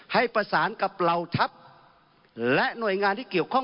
ให้ประสานกับเหล่าทัศน์และหน่วยงาน